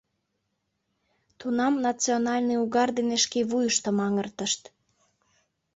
Тунам «национальный угар» дене шке вуйыштым аҥыртышт.